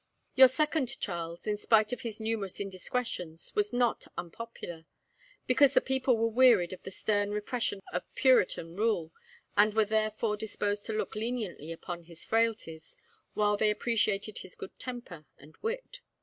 "Your second Charles, in spite of his numerous indiscretions, was not unpopular, because the people were wearied of the stern repression of Puritan rule, and were therefore disposed to look leniently upon his frailties, while they appreciated his good temper and wit.